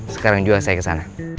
sekarang juga saya kesana